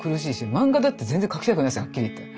漫画だって全然描きたくないですよはっきり言って。